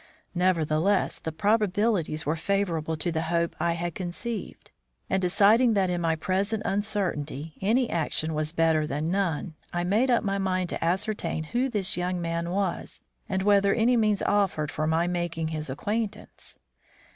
Nevertheless, the probabilities were favourable to the hope I had conceived; and, deciding that in my present uncertainty any action was better than none, I made up my mind to ascertain who this young man was, and whether any means offered for my making his acquaintance.